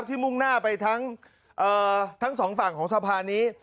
มุ่งหน้าไปทั้งสองฝั่งของสะพานนี้